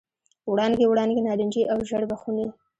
وړانګې، وړانګې نارنجي او ژړ بخونې،